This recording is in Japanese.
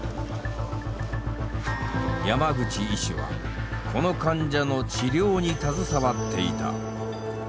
山口医師はこの患者の治療に携わっていた。